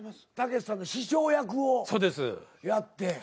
たけしさんの師匠役をやって。